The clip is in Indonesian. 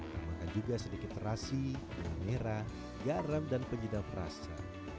tambahkan juga sedikit terasi gula merah garam dan penyedap rasa